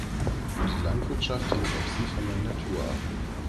Wie die Landwirtschaft hängt auch sie von der Natur ab.